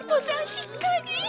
しっかり。